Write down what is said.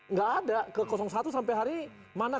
nggak ada ke satu sampai hari ini mana